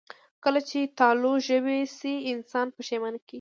کله چې تالو ژبې شي، انسان پښېمانه کېږي